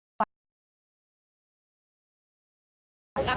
สวัสดีครับ